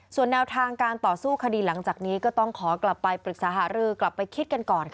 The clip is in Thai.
ส่วนแนวทางการต่อสู้คดีหลังจากนี้ก็ต้องขอกลับไปปรึกษาหารือกลับไปคิดกันก่อนค่ะ